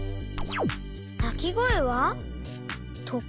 「なきごえは？」とか？